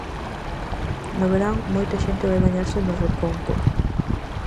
No verán moita xente vai bañarse no reconco.